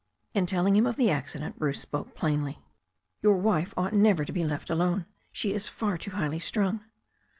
In telling him of the accident Bruce spoke plainly : "Your wife ought never to be left alone. She is far too highly strung."